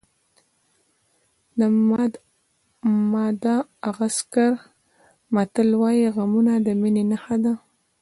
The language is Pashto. د ماداغاسکر متل وایي غمونه د مینې نښه ده.